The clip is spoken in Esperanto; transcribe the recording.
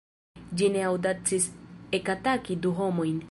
Ĝi ne aŭdacis ekataki du homojn.